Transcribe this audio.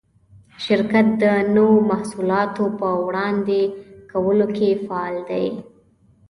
شرکت د نوو محصولاتو په وړاندې کولو کې فعال دی.